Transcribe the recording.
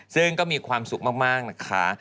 ซึ่งก็มีความสุขมากนะคะ